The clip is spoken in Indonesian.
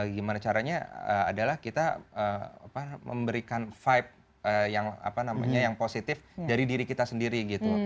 gimana caranya adalah kita apa memberikan vibe yang apa namanya yang positif dari diri kita sendiri gitu